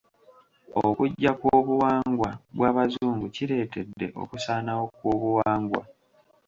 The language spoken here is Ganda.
Okujja kw'obuwangwa bw'Abazungu kireetedde okusaanawo kw'obuwangwa.